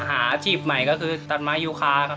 อาชีพใหม่คือตันไม้ยูคา